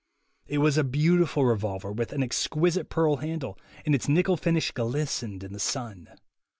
It was a beautiful re volver, with an exquisite pearl handle, and its nickel finish glistened in the sun.